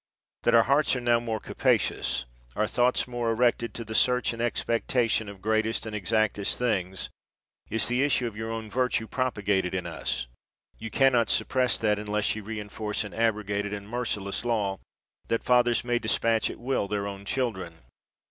That our hearts are now more capacious, our thoughts more erected to the search and expectation of greatest and exactest things, is the issue of your own vir tue propagated in us ; ye can not suppress that, unless ye reinforce an abrogated and merciless law, that fathers may despatch at will their own children.